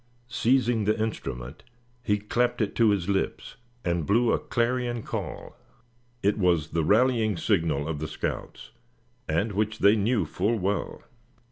Seizing the instrument, he clapped it to his lips, and blew a clarion call. It was the rallying signal of the scouts, and which they knew full well.